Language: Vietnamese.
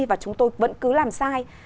và chúng tôi vẫn cứ làm sai